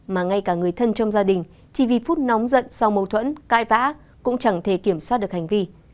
mà ngay cả người thân trong gia đình chỉ vì phút nóng giận sau mâu thuẫn cãi vã cũng chẳng thể kiểm soát được hành vi